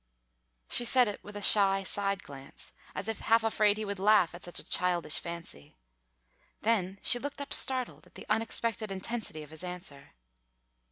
She said it with a shy side glance as if half afraid he would laugh at such a childish fancy. Then she looked up startled, at the unexpected intensity of his answer.